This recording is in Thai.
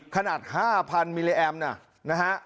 ขนาด๕๐๐มิลลิแอมนะฮะ